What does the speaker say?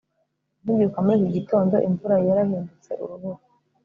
nkibyuka muri iki gitondo, imvura yari yarahindutse urubura